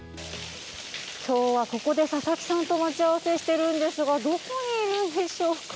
今日はここで佐々木さんと待ち合わせしてるんですがどこにいるんでしょうか？